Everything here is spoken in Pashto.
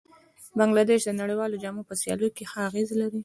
بنګله دېش د نړیوالو جامونو په سیالیو کې ښه اغېز لري.